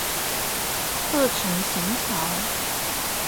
二層行橋